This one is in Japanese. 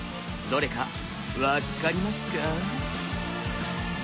どれか分っかりますか？